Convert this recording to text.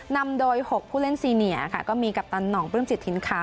นำโดย๖ผู้เล่นซีเนียค่ะก็มีกัปตันห่องปลื้มจิตถิ่นขาว